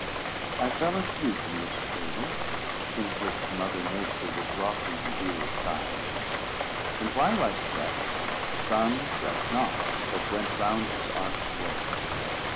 I fell asleep in this cradle, in which mother Nature was rocking her weary child; and while I slept, the sun slept not, but went round his arched way.